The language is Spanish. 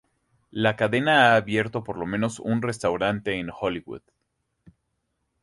La cadena ha abierto por lo menos un restaurante en Hollywood.